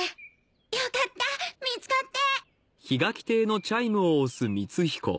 良かった見つかって。